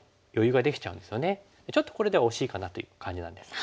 ちょっとこれでは惜しいかなという感じなんです。